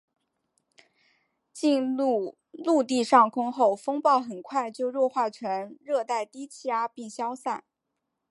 进入陆地上空后风暴很快就弱化成热带低气压并消散。